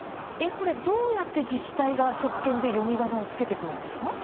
どうやって自治体が職権で読みがなを付けていくんですか。